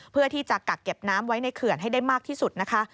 เพื่อที่จะกักเก็บน้ำไว้ในเขื่อนให้ได้มากที่สุดนะคะ